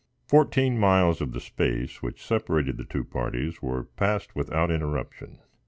Fourteen miles of the space which separated the two parties were passed without interruption.